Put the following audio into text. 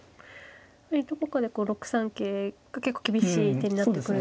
どこかで６三桂が結構厳しい手になってくるんですね。